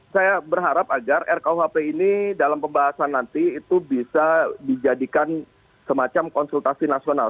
saya berharap agar rkuhp ini dalam pembahasan nanti itu bisa dijadikan semacam konsultasi nasional